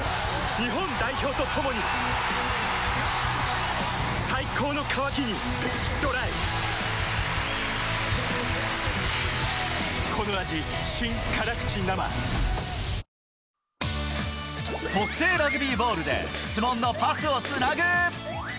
日本代表と共に最高の渇きにＤＲＹ特製ラグビーボールで、質問のパスをつなぐ。